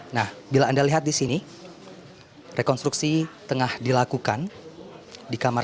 nah bila anda lihat di sini rekonstruksi tengah dilakukan di kamar satu ratus dua